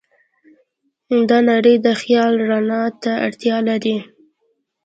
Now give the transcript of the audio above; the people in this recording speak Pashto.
دا نړۍ د خیال رڼا ته اړتیا لري.